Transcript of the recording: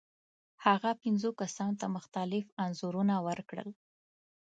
هغه پنځو کسانو ته مختلف انځورونه ورکړل.